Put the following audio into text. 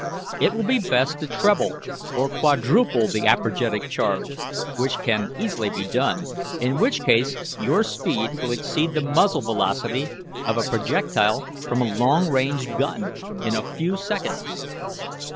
It will be best to treble or quadruple the apergetic charge, which can easily be done, in which case your speed will exceed the muzzle velocity of a projectile from a long range gun, in a few seconds.